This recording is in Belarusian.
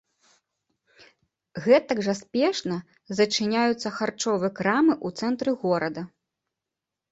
Гэтак жа спешна зачыняюцца харчовыя крамы ў цэнтры горада.